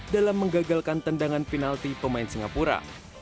dalam menggagalkan tendangan penalti pemain singapura